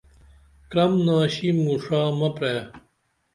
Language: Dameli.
کرم ناشی مو ڜا مہ پرے